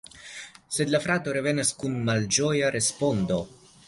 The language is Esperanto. Sed la frato revenas kun malĝoja respondo.